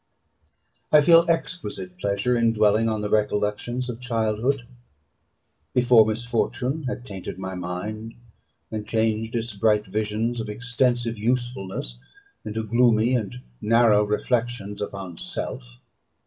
I feel exquisite pleasure in dwelling on the recollections of childhood, before misfortune had tainted my mind, and changed its bright visions of extensive usefulness into gloomy and narrow reflections upon self.